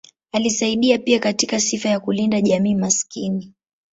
Alisaidia pia katika sifa ya kulinda jamii maskini.